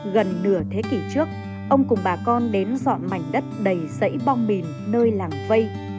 gần nửa thế kỷ trước ông cùng bà con đến dọn mảnh đất đầy dãy bong mìn nơi làng vây